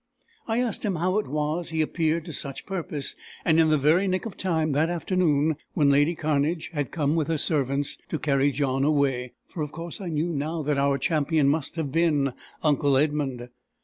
I asked him how it was he appeared to such purpose, and in the very nick of time, that afternoon when lady Cairnedge had come with her servants to carry John away; for of course I knew now that our champion must have been uncle Edmund.